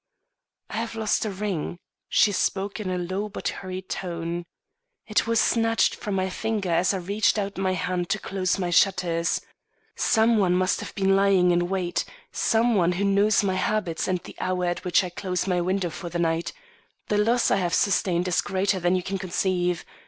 "I have lost a ring." She spoke in a low but hurried tone. "It was snatched from my finger as I reached out my hand to close my shutters. Some one must have been lying in wait; some one who knows my habits and the hour at which I close my window for the night. The loss I have sustained is greater than you can conceive.